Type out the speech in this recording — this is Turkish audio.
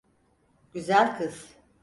Güzel kız.